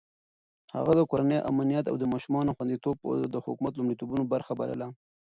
هغه د کورنۍ امنيت او د ماشومانو خونديتوب د حکومت د لومړيتوبونو برخه بلله.